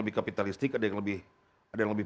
lebih kapitalistik ada yang lebih